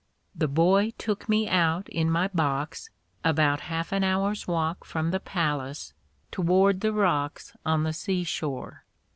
The boy took me out in my box, about half an hour's walk from the palace, toward the rocks on the sea shore.